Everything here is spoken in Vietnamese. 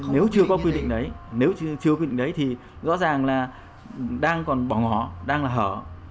nếu chưa có quy định đấy nếu chưa có quy định đấy thì rõ ràng là đang còn bỏ ngỏ đang là hở